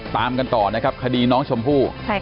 ตามกันต่อคดีน้องชมภู